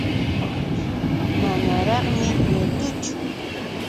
Manaraqmi ñutuchu.